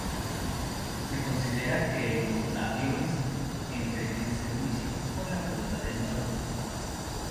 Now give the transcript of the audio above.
Se considera que el portaaviones entre en servicio con la Flota del Norte.